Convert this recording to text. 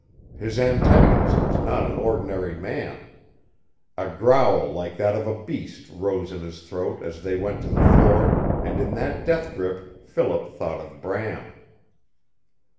His antagonist was not an ordinary man. A growl like that of a beast rose in his throat as they went to the floor, and in that death grip Philip thought of Bram.